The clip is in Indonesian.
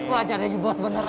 wajar lagi bos beneran